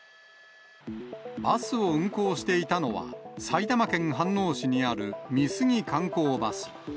バスを運行していたのは、埼玉県飯能市にある美杉観光バス。